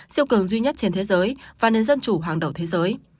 siêu cường duy nhất trên thế giới và nền dân chủ hàng đầu thế giới